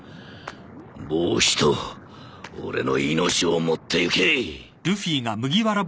帽子と俺の命を持っていけ。